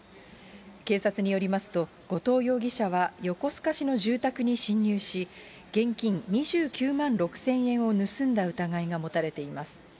警察によりますと、後藤容疑者は横須賀市の住宅に侵入し、現金２９万６０００円を盗んだ疑いが持たれています。